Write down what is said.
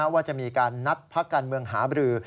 ว่าจะมีการนัดพักการเมืองหาบรือ